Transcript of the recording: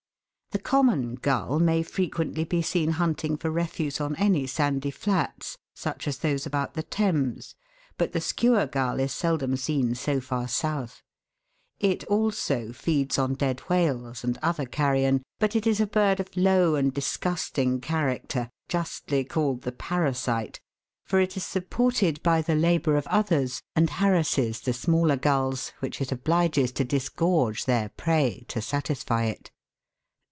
The common gull may frequently be seen hunting for refuse on any sandy flats, such as those about the Thames, but the Skua gull is seldom seen so far south. It also feeds on dead whales and other carrion, but it is a bird of low and disgusting character, justly called the parasite, for it is supported by the labour of others, and harasses the smaller gulls, which it obliges to disgorge their prey to satisfy it.